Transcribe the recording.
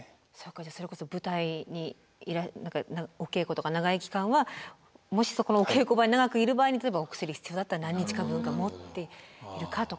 じゃあそれこそ舞台にお稽古とか長い期間はもしそこのお稽古場に長くいる場合に例えばお薬必要だったら何日か分か持っているかとか。